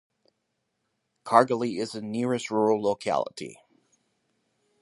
Kargaly is the nearest rural locality.